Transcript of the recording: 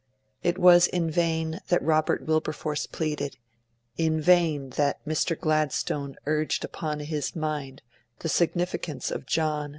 It was in vain that Robert Wilberforce pleaded, in vain that Mr. Gladstone urged upon his mind the significance of John iii 8.